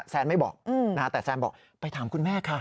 แซนไม่บอกแต่แซนบอกไปถามคุณแม่ค่ะ